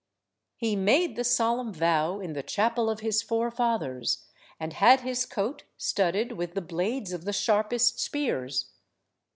He made the solemn vow in the chapel of his forefathers, and had his coat studded with the blades of the sharpest spears.